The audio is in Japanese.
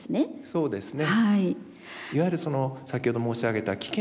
そうですね。